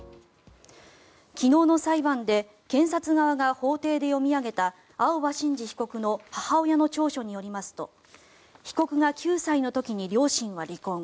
昨日の裁判で検察側が法廷で読み上げた青葉真司被告の母親の調書によりますと被告が９歳の時に両親は離婚。